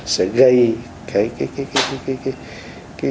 sẽ gây cái